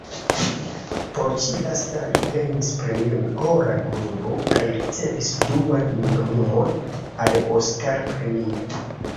Por ĉi-lasta, li gajnis Premion Ora Globo kaj ricevis duan nomumon al Oskar-premio.